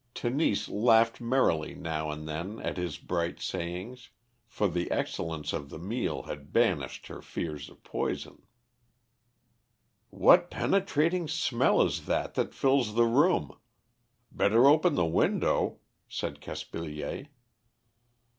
Tenise laughed merrily now and then at his bright sayings, for the excellence of the meal had banished her fears of poison. "What penetrating smell is this that fills the room? Better open the window," said Caspilier.